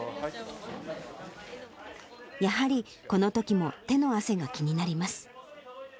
やはりこのときも手の汗が気になります。